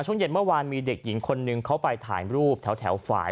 ช่วงเย็นเมื่อวานมีเด็กหญิงคนนึงเขาไปถ่ายรูปแถวฝ่าย